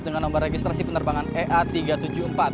dengan nomor registrasi penerbangan ea tiga ratus tujuh puluh empat